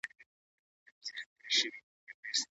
خو ذاتي جوهر یې ابدي دی